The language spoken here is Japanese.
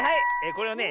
これはね